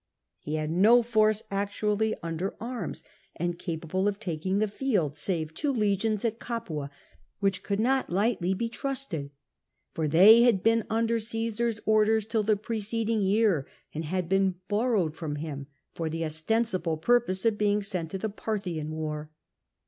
He had no force actually under arms and capable of taking the field, save two legions at Capua, which could not lightly be trusted. For they had been under Caesar's orders till the preceding year, and had been borrowed from him for the ostensible purpose of being sent to the Parthian war.